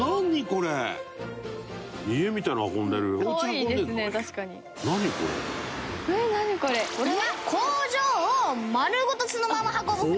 「これは工場を丸ごとそのまま運ぶ船